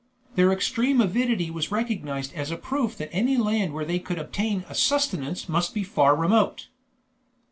Their extreme avidity was recognized as a proof that any land where they could obtain a sustenance must be far remote.